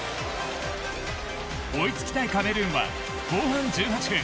追いつきたいカメルーンは後半１８分。